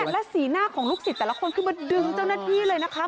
และสีหน้าของลูกศิษย์แต่ละคนคือมาดึงเจ้าหน้าที่เลยนะคะ